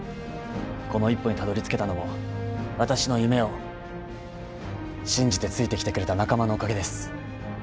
この一歩にたどりつけたのも私の夢を信じてついてきてくれた仲間のおかげです。